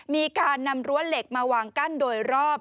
มีการนำรั้วเหล็กมาวางกั้นโดยรอบ